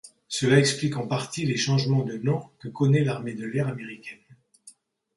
Cela explique en partie les changements de nom que connaît l'Armée de l'air américaine.